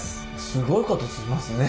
すごいことしますね。